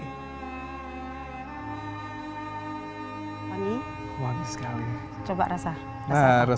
kuali besar ini memiliki kekuasaan yang sangat berharga